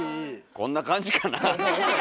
こんな感じかなあ？